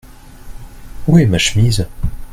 Où est ma chemise ?